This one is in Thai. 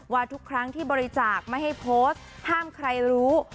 ว่าทุกครั้งที่บริจาคไม่ให้โพสต์ห้ามใครรู้